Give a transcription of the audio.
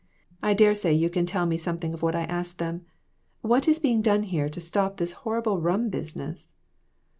I dare say you can tell me something of what I asked them. What is being done here to stop this horrible rum business?"